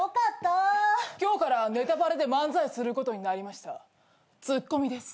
今日から『ネタパレ』で漫才することになりましたツッコミです。